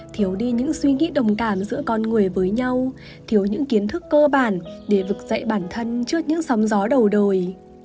thiếu đi những suy nghĩ đồng cảm giữa con người với nhau thiếu những kiến thức cơ bản để vực dậy bản thân trước những sóng gió đầu đời